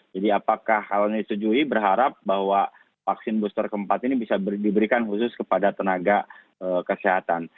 jadi apakah hal ini disetujui berharap bahwa vaksin booster keempat ini bisa diberikan khusus kepada tenaga kesehatan